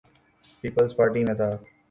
Peoples Party میں تھا۔